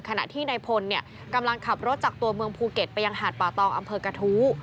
ขณะที่นายพลกำลังขับรถจากตัวเมืองภูเก็ตไปยังหาดป่าตองอำเภอกระทู้